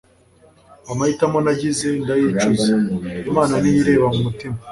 amahitamo nagize ndayicuza, imana niyo ireba m'umutima